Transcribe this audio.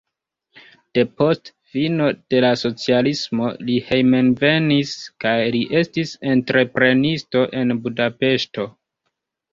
Depost fino de la socialismo li hejmenvenis kaj li estis entreprenisto en Budapeŝto.